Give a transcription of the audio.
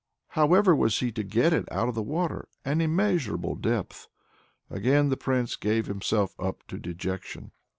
However was he to get it out of the water? an immeasurable depth! Again the Prince gave himself up to dejection.